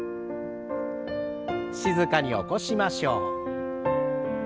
静かに起こしましょう。